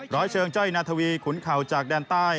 ร้อยเชิงจ้อยนาธวีขุนเข่าจากแดนใต้